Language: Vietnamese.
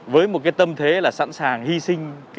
với một tâm thế là sẵn sàng hy sinh